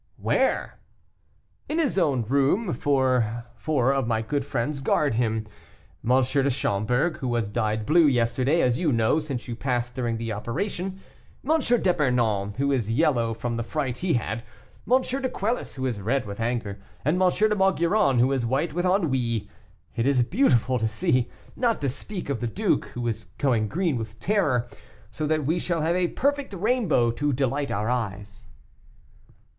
"Where?" "In his own room. Four of my good friends guard him. M. de Schomberg, who was dyed blue yesterday, as you know, since you passed during the operation; M. d'Epernon, who is yellow from the fright he had; M. de Quelus, who is red with anger; and M. de Maugiron, who is white with ennui; it is beautiful to see; not to speak of the duke, who is going green with terror, so that we shall have a perfect rainbow to delight our eyes."